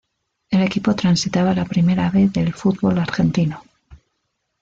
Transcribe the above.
El equipo transitaba la Primera B del fútbol argentino.